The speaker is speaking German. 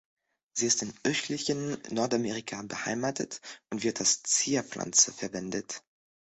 Sie ist im östlichen Nordamerika beheimatet und wird als Zierpflanze verwendet.